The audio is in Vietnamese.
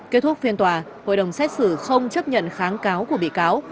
kết thúc phiên tòa hội đồng xét xử không chấp nhận kháng cáo của bị cáo